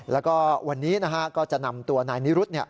แล้วก็วันนี้ก็จะนำตัวนายนิรุธ